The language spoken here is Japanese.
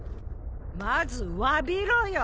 まずわびろよ